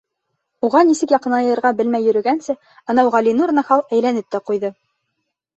Уға нисек яҡынайырға белмәй йөрөгәнсә, анау Ғәлинур нахал әйләнеп тә ҡуйҙы.